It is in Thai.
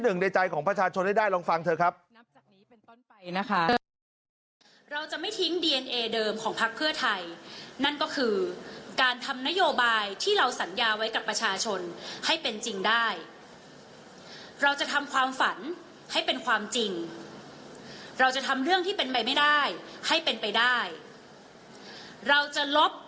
ในใจของประชาชนให้ได้ลองฟังเถอะครับ